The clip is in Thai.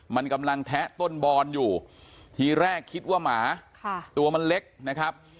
มันกำลังแทะต้นบอนอยู่ทีแรกคิดว่าหมาตัวมันเล็กนะครับ